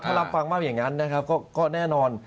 ถ้ารับฟังมากอย่างนั้นนะครับก็แน่นอน